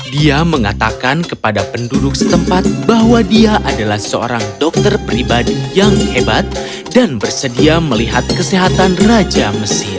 dia mengatakan kepada penduduk setempat bahwa dia adalah seorang dokter pribadi yang hebat dan bersedia melihat kesehatan raja mesir